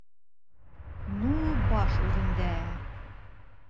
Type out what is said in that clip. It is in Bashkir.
Ну, баш үҙеңдә!